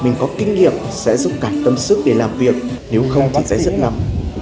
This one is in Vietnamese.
mình có kinh nghiệm sẽ dùng cả tâm sức để làm việc nếu không thì sẽ rất lắm